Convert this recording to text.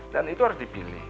dan itu harus dipilih